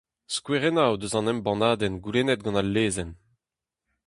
Skouerennoù eus an embannadenn goulennet gant al lezenn.